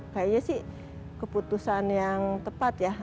kayaknya sih keputusan yang tepat ya